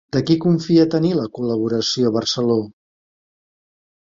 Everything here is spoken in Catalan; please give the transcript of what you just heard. De qui confia tenir la col·laboració Barceló?